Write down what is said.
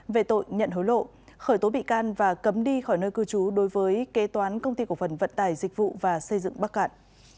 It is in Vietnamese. về tội nhận hối lộ khởi tố bị can và cấm đi khỏi nơi cư trú đối với kế toán công ty cổ phần vận tải dịch vụ và xây dựng bắc cạn